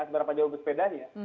seberapa jauh persepedanya